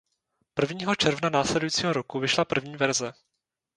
Prvního června následujícího roku vyšla první verze.